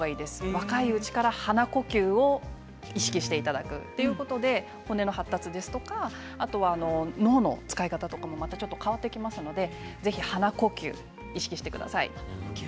若いうちから鼻呼吸を意識していただくということで骨の発達ですとか脳の使い方も変わってきますのでぜひ鼻呼吸を意識してください。